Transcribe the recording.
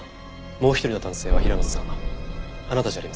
もう一人の男性は平松さんあなたじゃありませんか？